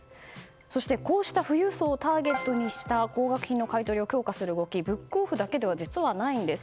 そして、こうした富裕層をターゲットにした高額品の買い取りを強化する動きはブックオフだけではないんです。